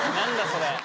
それ。